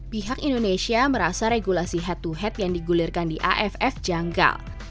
pihak indonesia merasa regulasi head to head yang digulirkan di aff janggal